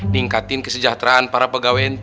ningkatin kesejahteraan para pegawai ntt